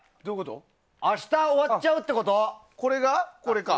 明日、終わっちゃうってこと？